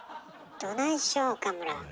どないしよう岡村。